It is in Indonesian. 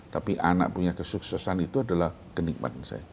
tapi anak punya kesuksesan itu adalah kenikmatan saya